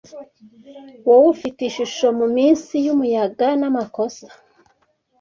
wowe ufite ishusho muminsi yumuyaga namakosa